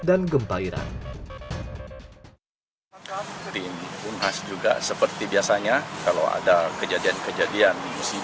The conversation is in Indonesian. dan gempa iran